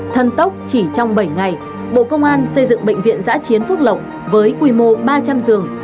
thần tốc chỉ trong bảy ngày bộ công an xây dựng bệnh viện giã chiến phước lộc với quy mô ba trăm linh giường